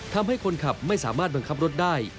ทำให้คนขับไม่สามารถบังคับรถได้